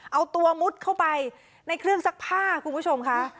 เอาตัวมุดเข้าไปในเครื่องซักผ้าคุณผู้ชมค่ะ